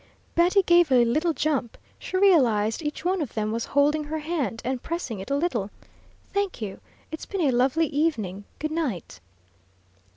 Betty gave a little jump; she realized each one of them was holding her hand and pressing it a little. "Thank you, it's been a lovely evening. Goodnight."